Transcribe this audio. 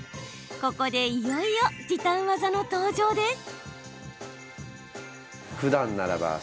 ここでいよいよ時短技の登場です。